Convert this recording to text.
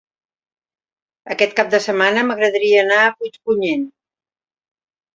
Aquest cap de setmana m'agradaria anar a Puigpunyent.